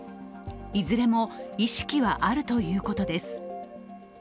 いずれも意識はあるということです。